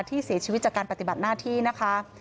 ที่เสียชีวิตจากการปฏิบัติหน้าที่นะคะ